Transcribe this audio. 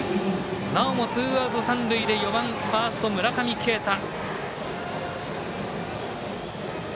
なおもツーアウト三塁で４番ファースト村上慶太。